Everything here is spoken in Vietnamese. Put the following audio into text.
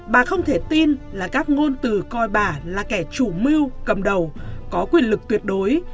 bà không thể tin là các ngôn từ coi bà là kẻ chủ mưu cầm đầu có quyền lực tuyệt đối